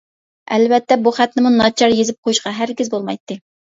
ئەلۋەتتە، بۇ خەتنىمۇ ناچار يېزىپ قويۇشقا ھەرگىز بولمايتتى.